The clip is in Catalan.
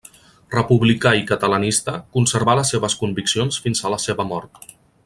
Republicà i catalanista, conservà les seves conviccions fins a la seva mort.